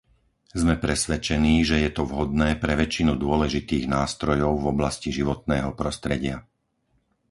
Sme presvedčení, že je to vhodné pre väčšinu dôležitých nástrojov v oblasti životného prostredia.